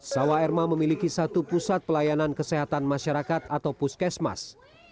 sawaerma memiliki satu pusat pelayanan kesehatan masyarakat atau puskesmas